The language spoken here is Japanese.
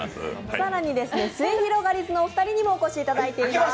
更にすゑひろがりずのお二人にもお越しいただいています。